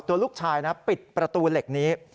ตัวลูกชายนะปิดประตูเหล็กนี้